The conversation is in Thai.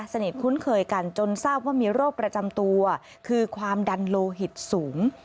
คุ้นเคยกันจนทราบว่ามีโรคประจำตัวคือความดันโลหิตสูง